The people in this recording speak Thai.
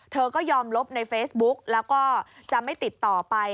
เธอก็ยอมลบในเฟซบุ๊กแล้วก็จะไม่ติดต่อไป